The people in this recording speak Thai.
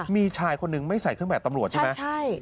มีชายคนนึงไม่ใส่ขึ้นแบบตำรวจใช่ไหม